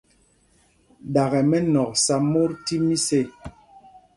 Ɗakɛ mɛnɔ̂k sá mot tí mis ê.